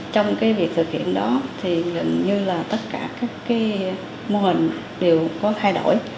trong việc thực hiện đó gần như tất cả mô hình đều có thay đổi